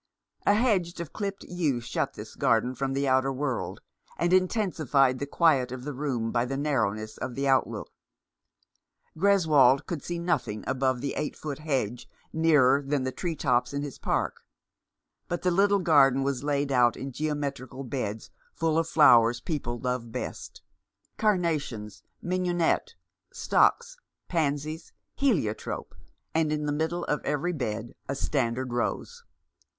A hedge of clipped yew shut this garden from the outer world, and intensified the quiet of the room by the narrowness of the outlook. Greswold could see nothing above that eight foot hedge nearer than the tree tops in his park ; but the little garden was laid out in geometrical beds full of flowers people love best — carnations, mignonette, stocks, pansies, heliotrope, 339 Rough Justice. and in the middle of every bed a standard rose.